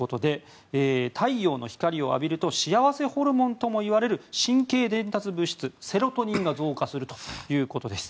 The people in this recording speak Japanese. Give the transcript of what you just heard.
太陽の光を浴びると幸せホルモンとも呼ばれる神経伝達物質セロトニンが増加するということです。